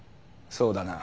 そうだな。